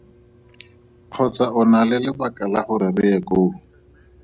Kgotsa o na le lebaka la gore re ye koo?